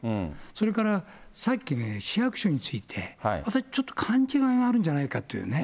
それから、さっきね、市役所について、私、ちょっと勘違いがあるんじゃないかっていうね。